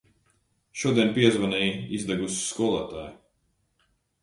Šodien piezvanīja izdegusi skolotāja.